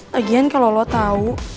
lagian kalau lo tau